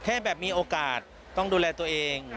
แค่แบบมีโอกาสต้องดูแลตัวเอง